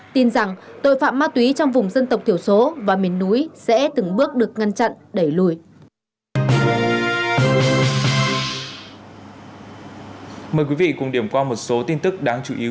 tin rằng tội phạm ma túy trong vùng dân tộc thiểu số và miền núi sẽ từng bước được ngăn chặn đẩy lùi